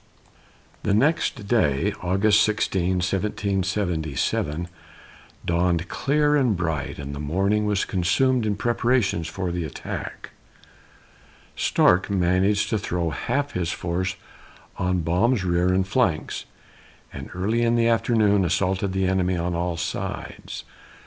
The next day, August 16, 1777, dawned clear and bright, and the morning was consumed in preparations for the attack. Stark managed to throw half his force on Baum's rear and flanks, and, early in the afternoon, assaulted the enemy on all sides.